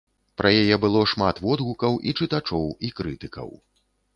Пра яе было шмат водгукаў і чытачоў, і крытыкаў.